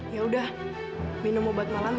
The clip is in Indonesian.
yaudah minum obat malam ya